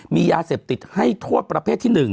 มียาเสพติดให้โทษประเภทที่๑